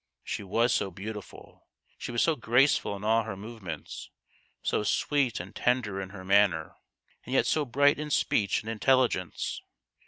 She was so beauti ful ! She was so graceful in all her move ments, so sweet and tender in her manner, and yet so bright in speech and intelligence